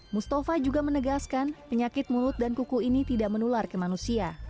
mustafa juga menegaskan penyakit mulut dan kuku ini tidak menular ke manusia